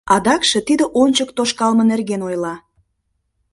Адакше тиде ончык тошкалме нерген ойла.